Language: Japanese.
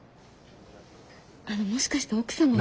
あのもしかして奥様を。